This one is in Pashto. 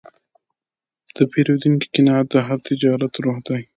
د پیرودونکي قناعت د هر تجارت روح دی.